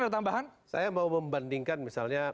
ada tambahan saya mau membandingkan misalnya